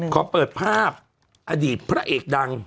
ขอเปิดภาพอดีตพระเอกดัง